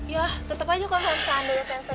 ya tetep aja kalau seandainya sensei